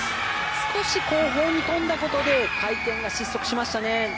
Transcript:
少し後方に飛んだことで回転が失速しましたね。